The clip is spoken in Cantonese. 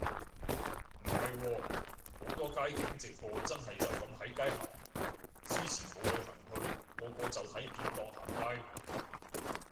唔係喎，好多街景直播真係就噉喺街行，之前冇旅行去個個就睇片當行街